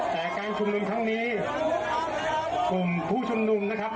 แต่การชุมนุมครั้งนี้กลุ่มผู้ชุมนุมนะครับ